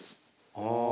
ああ。